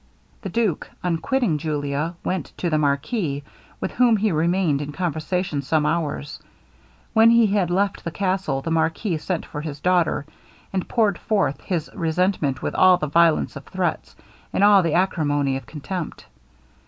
The duke, on quitting Julia, went to the marquis, with whom he remained in conversation some hours. When he had left the castle, the marquis sent for his daughter, and poured forth his resentment with all the violence of threats, and all the acrimony of contempt.